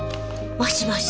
もしもし。